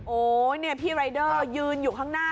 โอ้ยเนี่ยพี่รายเดอร์ยืนอยู่ข้างหน้า